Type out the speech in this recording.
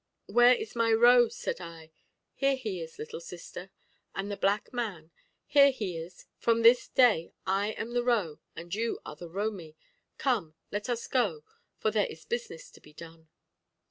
'Where is my ro?' said I. 'Here he is, little sister,' said the black man, 'here he is; from this day I am the ro and you are the romi. Come, let us go, for there is business to be done.'